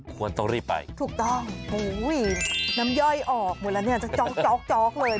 ควรต้องรีบไปถูกต้องน้ำย่อยออกหมดแล้วจะจ๊อกเลย